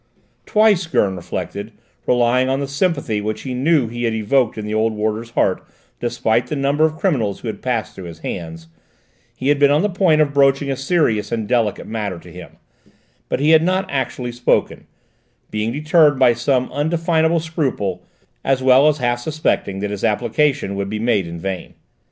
Twice, Gurn reflected, relying on the sympathy which he knew he had evoked in the old warder's heart despite the number of criminals who had passed through his hands, he had been on the point of broaching a serious and delicate matter to him; but he had not actually spoken, being deterred by some undefinable scruple, as well as half suspecting that his application would be made in vain.